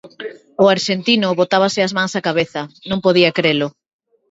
O arxentino botábase as mans á cabeza, non podía crelo.